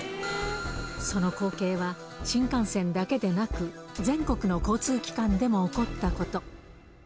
その光景は新幹線だけでなく、全国の交通機関でも起こったこと。